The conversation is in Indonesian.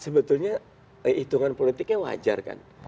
sebetulnya hitungan politiknya wajar kan